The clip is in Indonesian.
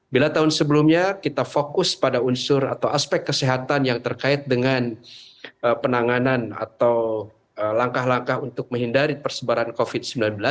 bila tahun sebelumnya kita fokus pada unsur atau aspek kesehatan yang terkait dengan penanganan atau langkah langkah untuk menghindari persebaran covid sembilan belas